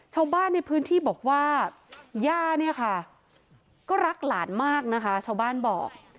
ชาวบ้านในพื้นที่บอกว่าย่าเนี่ยค่ะก็รักหลานมากนะคะชาวบ้านบอก